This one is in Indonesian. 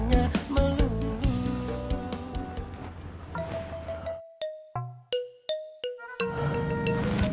nanya mengucapkan aku